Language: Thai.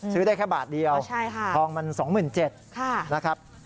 ซื้อได้แค่บาทเดียวทองมัน๒๗๐๐๐บาทนะครับค่ะ